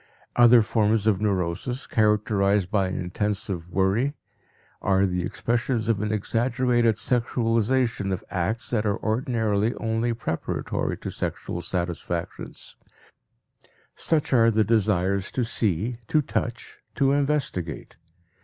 Other forms of neurosis, characterized by intensive worry, are the expression of an exaggerated sexualization of acts that are ordinarily only preparatory to sexual satisfactions; such are the desires to see, to touch, to investigate.